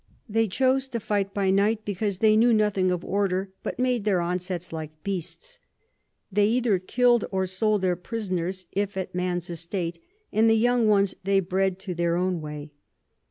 They chose to fight by night, because they knew nothing of Order, but made their Onsets like Beasts. They either kill'd or sold their Prisoners, if at Man's Estate, and the young ones they bred in their own way.